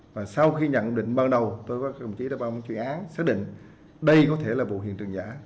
và sau khi nhận định ban đầu tôi có các đồng chí đã ban chuyên án xác định đây có thể là vụ hiện trường giả